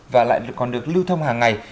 và lại còn được lưu thông hàng ngày